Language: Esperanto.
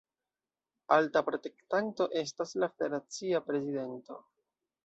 Alta protektanto estas la federacia prezidento.